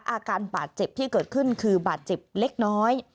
อาการบาดเจ็บที่เกิดขึ้นคือบาดเจ็บเล็กน้อย